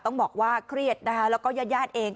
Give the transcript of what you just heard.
ต้องบอกว่าเครียดนะคะแล้วก็ญาติญาติเอง